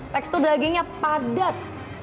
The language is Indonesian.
tekstur dagingnya padat